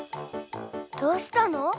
どうしたの？